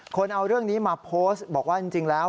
คนเอาเรื่องนี้มาโพสต์บอกว่าจริงแล้ว